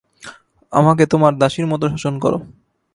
আমাকে তোমার দাসীর মতো শাসন করো।